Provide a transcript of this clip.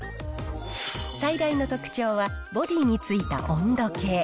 最大の特徴は、ボディについた温度計。